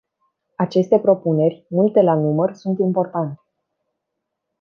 Aceste propuneri, multe la număr, sunt importante.